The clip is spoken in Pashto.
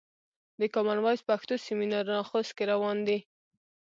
د کامن وایس پښتو سمینارونه خوست کې روان دي.